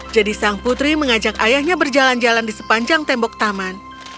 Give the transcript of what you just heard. jadi sang putri mengajak ayahnya berjalan jalan di sepanjang tembok taman